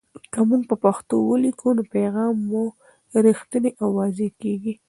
که موږ په پښتو ولیکو، نو پیغام مو رښتینی او واضح کېږي.